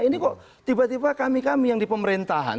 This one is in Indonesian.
ini kok tiba tiba kami kami yang di pemerintahan